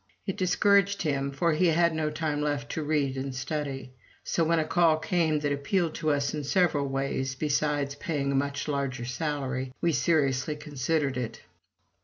It discouraged him, for he had no time left to read and study. So when a call came that appealed to us in several ways, besides paying a much larger salary, we seriously considered it.